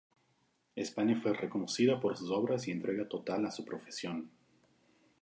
España fue reconocida por sus obras y entrega total a su profesión.